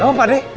apa pak deh